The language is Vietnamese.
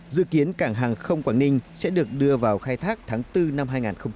dự kiến cảng hàng không quảng ninh sẽ được đưa vào khai thác tháng bốn năm hai nghìn hai mươi